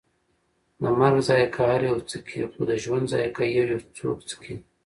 د مرګ ذائقه هر یو څکي، خو د ژوند ذائقه یویو څوک څکي